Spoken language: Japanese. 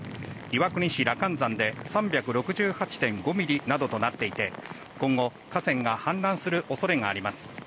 岩国市・羅漢山で３６８．５ミリとなっていて今後、河川が氾濫する恐れがあります。